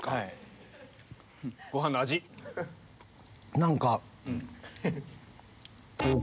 何か。